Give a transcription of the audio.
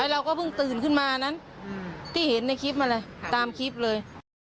เราก็เพิ่งตื่นขึ้นมานั้นที่เห็นในคลิปมาเลยตามคลิปเลย